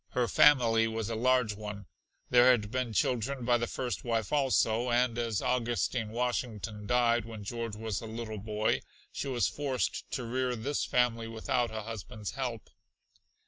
Her family was a large one; there had been children by the first wife also, and as Augustine Washington died when George was a little boy, she was forced to rear this family without a husband's help.